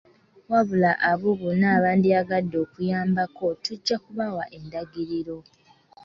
Wabula abo bonna abandyagadde okuyambako tujja kubawa endagiriro.